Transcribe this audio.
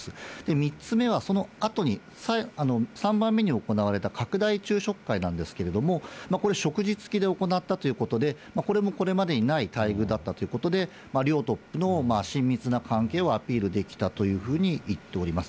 ３つ目はそのあとに、３番目に行われた拡大昼食会なんですけれども、これ、食事付きで行ったということで、これもこれまでにない待遇だったということで、両国のトップの親密な関係をアピールできたというふうに言っております。